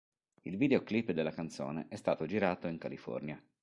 Il videoclip della canzone è stato girato in California.